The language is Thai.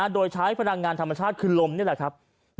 โดยใช้พลังงานธรรมชาติคือลมนี่แหละครับ